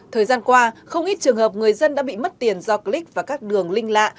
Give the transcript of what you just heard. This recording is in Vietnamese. thời gian qua không ít trường hợp người dân đã bị mất tiền do click vào các đường link lạ